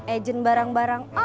ejen barang barang ojak